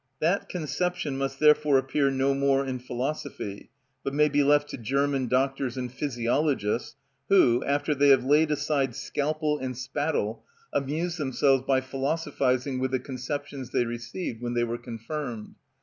That conception must therefore appear no more in philosophy, but may be left to German doctors and physiologists, who, after they have laid aside scalpel and spattle, amuse themselves by philosophising with the conceptions they received when they were confirmed.